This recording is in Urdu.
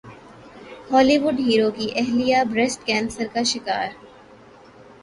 بولی وڈ ہیرو کی اہلیہ بریسٹ کینسر کا شکار